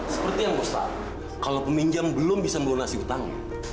seperti yang bos tahu kalau peminjam belum bisa melunasi hutang